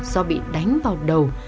do bị đánh vào đầu